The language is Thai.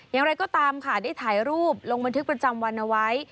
อย่างไรก็ตามค่ะได้ถ่ายรูปลงบันทึกประจำวันเอาไว้